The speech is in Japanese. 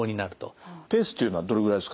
ペースというのはどれぐらいですか？